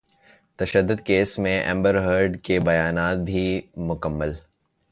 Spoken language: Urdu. تشدد کیس میں امبر ہرڈ کے بیانات بھی مکمل